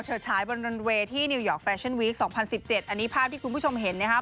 เฉิดฉายบนลันเวย์ที่นิวยอร์กแฟชั่นวีคสองพันสิบเจ็ดอันนี้ภาพที่คุณผู้ชมเห็นนะฮะ